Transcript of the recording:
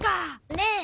ねえ。